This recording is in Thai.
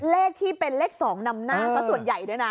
เลขที่เป็นเลข๒นำหน้าซะส่วนใหญ่ด้วยนะ